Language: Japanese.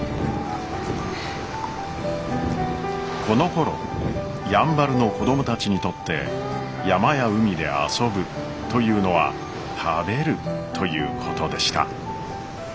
このころやんばるの子供たちにとって山や海で「遊ぶ」というのは「食べる」ということでした。